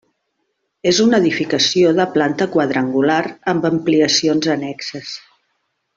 És una edificació de planta quadrangular amb ampliacions annexes.